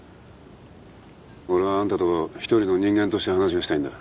俺はあんたと１人の人間として話がしたいんだ。